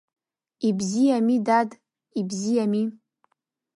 Ибзиами, дад, ибзиами.